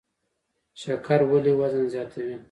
شکر ولې وزن زیاتوي؟